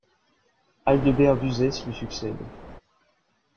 Aldebert d'Uzès lui succède.